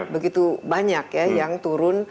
begitu banyak yang turun